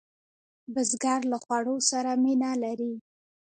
بزګر له خوړو سره مینه لري